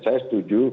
saya setuju sebenarnya